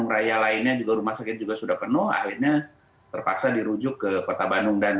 raya lainnya juga rumah sakit juga sudah penuh akhirnya terpaksa dirujuk ke kota bandung dan